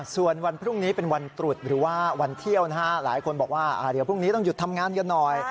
ส่วนวันพรุ่งนี้เป็นวันตรุษหรือว่าวันเที่ยวนะฮะหลายคนบอกว่าเดี๋ยวพรุ่งนี้ต้องหยุดทำงานกันหน่อย